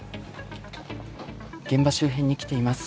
現場周辺に来ています。